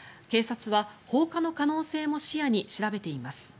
警察は放火の可能性も視野に調べています。